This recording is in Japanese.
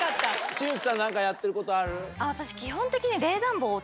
新内さん何かやってることある？